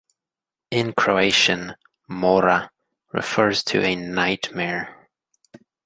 In Croatian, "mora" refers to a "nightmare".